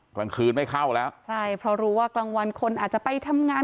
กลางคืนไม่เข้าแล้วใช่เพราะรู้ว่ากลางวันคนอาจจะไปทำงาน